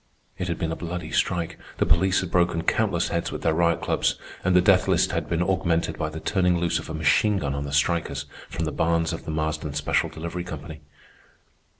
It had been a bloody strike. The police had broken countless heads with their riot clubs; and the death list had been augmented by the turning loose of a machine gun on the strikers from the barns of the Marsden Special Delivery Company.